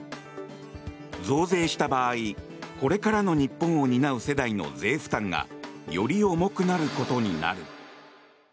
増税した場合これからの日本を担う世代の税負担がより重くなることになる。